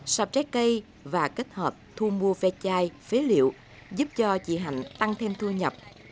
sạp trái cây và kết hợp thu mua ve chai phế liệu giúp cho chị hạnh tăng thêm thu nhập